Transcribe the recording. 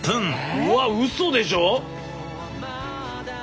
うわうそでしょ！？